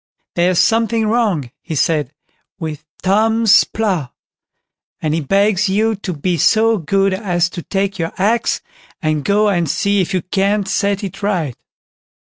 "There's something wrong", he said, "with Tom's plough, and he begs you to be so good as to take your axe, and go and see if you can't set it right."